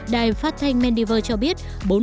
đài phát thanh maldives cho biết